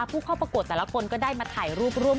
ผู้เข้าประกวดแต่ละคนก็ได้มาถ่ายรูปร่วม